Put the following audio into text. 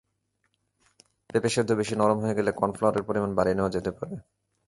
পেঁপে সেদ্ধ বেশি নরম হয়ে গেলে কর্নফ্লাওয়ারের পরিমাণ বাড়িয়ে নেওয়া যেতে পারে।